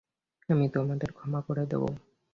আমি তোমাদেরকে ক্ষমা করে দেব।